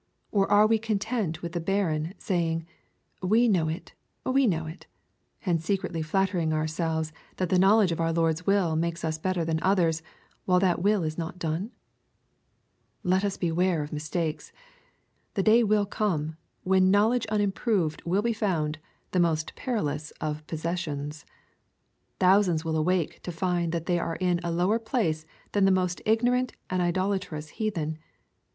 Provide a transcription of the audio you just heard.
Or are we content with the barren saying, " We know it, — we know it,'' and secretly flattering our selves that the knowledge of our Lord's will makes us better than others, while that will is not done ? Let us beware of mistakes. The day will come, when knowl edge unimproved will be found the most perilous of possessions. Thousands will awake to find that they are in a lower place than the most ignorant and idolatrous heathen.